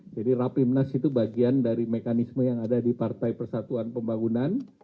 jadi rapimnas itu bagian dari mekanisme yang ada di partai pesatuan pembangunan